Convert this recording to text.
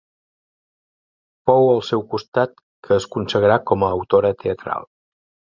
Fou al seu costat que es consagrà com a autora teatral.